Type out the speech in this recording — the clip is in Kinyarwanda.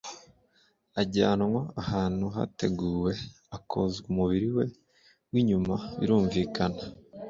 ajyanwa ahantu hateguwe akozwa umubiri we w’inyuma birumvikana